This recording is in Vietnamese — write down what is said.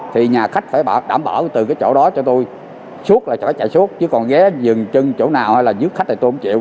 thì nhà khách phải đảm bảo từ cái chỗ đó cho tôi suốt là phải chạy suốt chứ còn ghé dừng chân chỗ nào hay là dứt khách thì tôi không chịu